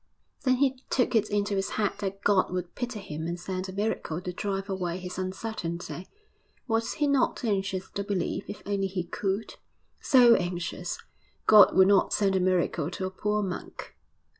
Then he took it into his head that God would pity him and send a miracle to drive away his uncertainty. Was he not anxious to believe, if only he could? so anxious! God would not send a miracle to a poor monk....